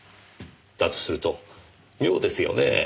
だとすると妙ですよねぇ。